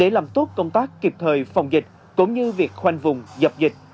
để làm tốt công tác kịp thời phòng dịch cũng như việc khoanh vùng dập dịch